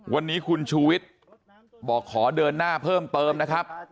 วันนี้คุณชูวิทย์บอกขอเดินหน้าเพิ่มเติมนะครับ